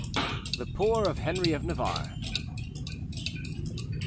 THE POOR OF HENRI OF NAVARRE.